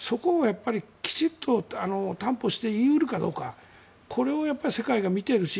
きちんと担保して言い得るかどうかこれを世界が見ているし